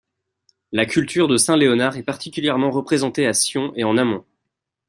La culture de Saint-Léonard est particulièrement représentée à Sion et en amont.